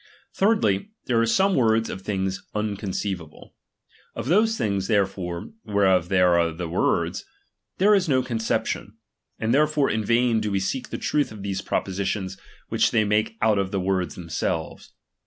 Thirdly, there are some words of things unconceivable. Oj those things, therefore, whereof they are the wordSi there is no conception ; and therefore in vain da we seek for the truth of those propositions, whicU they make out of the words themselves.